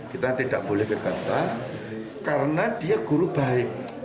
kita tidak boleh berkata karena dia guru baik